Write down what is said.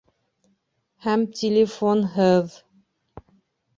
Һәм телефонһы-ыҙ.